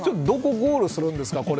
どこをゴールにするんですか。